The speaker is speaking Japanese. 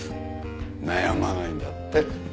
悩まないんだって。